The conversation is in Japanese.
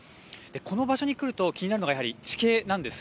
この場所に来ると気になるのが地形なんです。